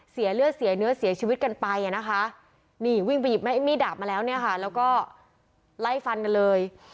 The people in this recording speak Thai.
เสียเลือดเสียเนื้อเสียชีวิตกันไปอ่ะนะคะนี่วิ่งไปหยิบมีดดาบมาแล้วเนี่ยค่ะแล้วก็ไล่ฟันกันเลย